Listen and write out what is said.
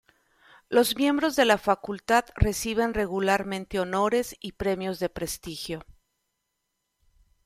Los miembros de la facultad reciben regularmente honores y premios de prestigio.